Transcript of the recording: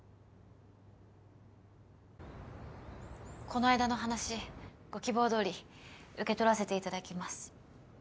この間の話ご希望通り受け取らせていただきます。